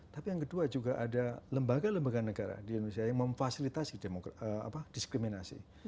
tapi yang kedua juga ada lembaga lembaga negara di indonesia yang memfasilitasi diskriminasi